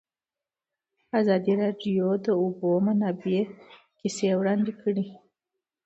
ازادي راډیو د د اوبو منابع کیسې وړاندې کړي.